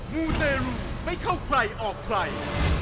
มูเตรุไม่เข้าใครออกใคร